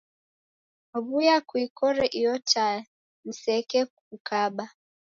W'uya kuikore iyo taa nisekekekukaba